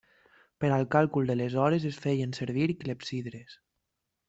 Per al càlcul de les hores es feien servir clepsidres.